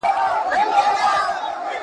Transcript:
ما خپله د غاښونو برش بدله کړه.